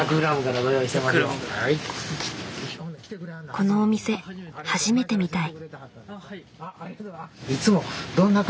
このお店初めてみたい。